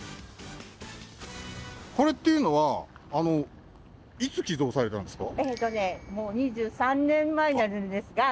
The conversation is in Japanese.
これっていうのはあのいつ寄贈されたんですか？